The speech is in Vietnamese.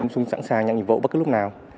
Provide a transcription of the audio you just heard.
sẵn sàng nhận nhiệm vụ bất cứ lúc nào